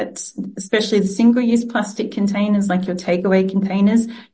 terutama dalam kontainer plastik yang digunakan secara singkat seperti kontainer pengambilan